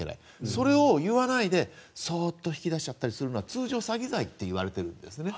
それを言わないで、そーっと引き出しちゃったりするのは通常、詐欺罪といわれているんですね。